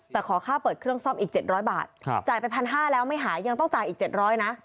แต่ขอค่าเปิดเครื่องซ่อมอีก๗๐๐บาทจ่ายไป๑๕๐๐แล้วไม่หายังต้องจ่ายอีก๗๐๐นะ